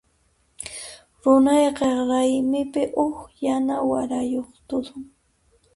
Turayqa raymipi huk yana warayuq tusun.